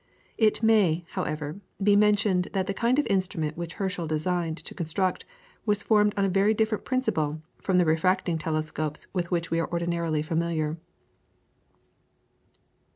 It may, however, be mentioned that the kind of instrument which Herschel designed to construct was formed on a very different principle from the refracting telescopes with which we are ordinarily familiar.